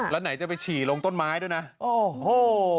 แล้วไหนจะไปฉี่ลงต้นไม้ด้วยนะโอ้โห